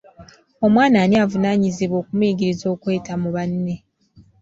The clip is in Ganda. Omwana ani avunaanyizibwa okumuyigiriza okweta mu banne?